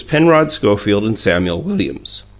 Penrod Schofield and Samuel Williams.